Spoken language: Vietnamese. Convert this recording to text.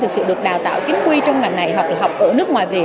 thực sự được đào tạo chính quy trong ngành này hoặc là học ở nước ngoài về